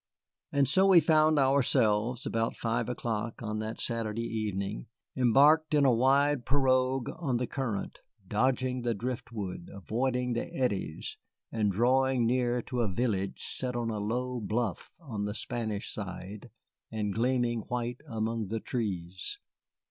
And so we found ourselves, about five o'clock on that Saturday evening, embarked in a wide pirogue on the current, dodging the driftwood, avoiding the eddies, and drawing near to a village set on a low bluff on the Spanish side and gleaming white among the trees.